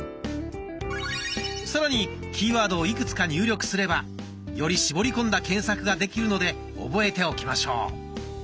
さらにキーワードをいくつか入力すればより絞り込んだ検索ができるので覚えておきましょう。